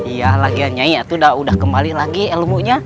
iya lagian nyai itu udah kembali lagi ilmunya